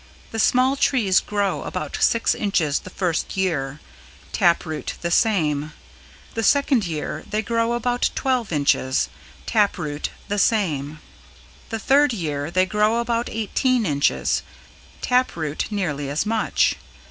The small trees grow about six inches the first year, tap root the same; the second year they grow about twelve inches, tap root the same; the third year they grow about eighteen inches, tap root nearly as much.